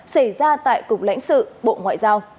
xảy ra tại cục lãnh sự bộ ngoại giao